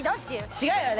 違うよね。